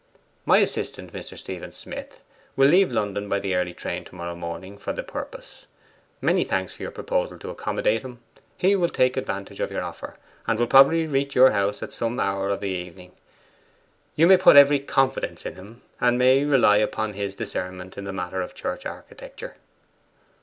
'My assistant, Mr. Stephen Smith, will leave London by the early train to morrow morning for the purpose. Many thanks for your proposal to accommodate him. He will take advantage of your offer, and will probably reach your house at some hour of the evening. You may put every confidence in him, and may rely upon his discernment in the matter of church architecture.